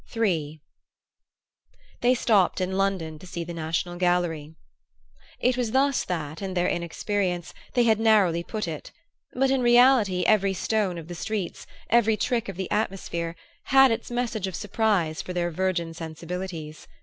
III They stopped in London to see the National Gallery. It was thus that, in their inexperience, they had narrowly put it; but in reality every stone of the streets, every trick of the atmosphere, had its message of surprise for their virgin sensibilities.